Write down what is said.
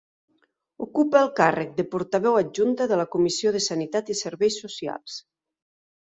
Ocupa el càrrec de portaveu adjunta de la Comissió de Sanitat i Serveis Socials.